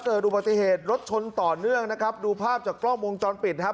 เกิดอุบัติเหตุรถชนต่อเนื่องนะครับดูภาพจากกล้องวงจรปิดนะครับ